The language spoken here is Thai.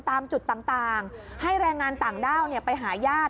ตามจุดต่างให้แรงงานต่างด้าวไปหาญาติ